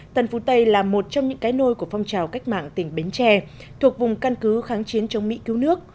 tân phú tây là một trong những cái nôi của phong trào cách mạng tỉnh bến tre thuộc vùng căn cứ kháng chiến chống mỹ cứu nước